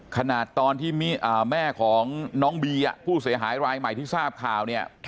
ขณะตอนที่แม่ของน้องบีผู้เสียหายรายใหม่ที่ทราบข่าวเนี่ย